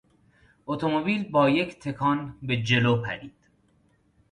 اتومبیل با یک تکان به جلو پرید.